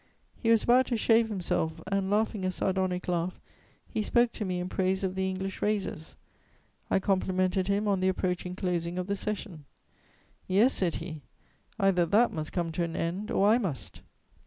He was about to shave himself and, laughing a sardonic laugh, he spoke to me in praise of the English razors. I complimented him on the approaching closing of the session: "'Yes,' said he, 'either that must come to an end, or I must.'